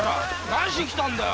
何しに来たんだよ？